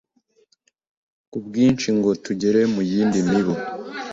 ku bwinshi ngo tugere mu yindi mibu.